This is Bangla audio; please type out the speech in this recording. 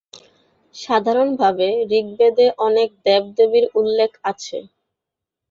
সাধারণভাবে ঋগ্বেদে অনেক দেবদেবীর উল্লেখ আছে।